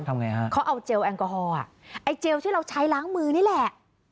ทำไงฮะเขาเอาเจลแอลกอฮอลอ่ะไอ้เจลที่เราใช้ล้างมือนี่แหละ